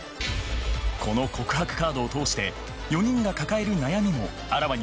この告白カードを通して４人が抱える悩みもあらわになっていきます。